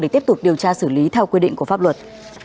để tiếp tục điều tra xử lý theo quy định của pháp luật